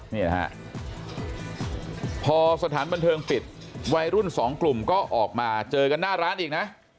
นี่นะฮะพอสถานบันเทิงปิดวัยรุ่นสองกลุ่มก็ออกมาเจอกันหน้าร้านอีกนะ